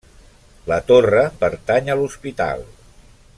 La torre pertany a l'hospital.